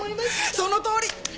そのとおり！